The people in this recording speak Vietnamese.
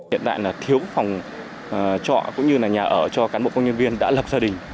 hiện tại là thiếu phòng trọ cũng như là nhà ở cho cán bộ công nhân viên đã lập gia đình